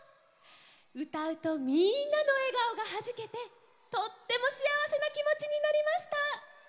うたうとみんなのえがおがはじけてとってもしあわせなきもちになりました。